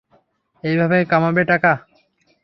এইভাবে কামাবে টাকা?